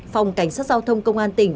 phòng cảnh sát giao thông công an tỉnh